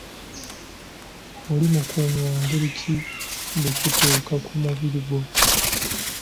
Oli mukuumi wa ngeri ki bwe kituuka ku mubiri gwo?